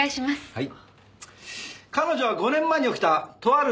はい。